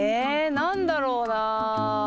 何だろうな。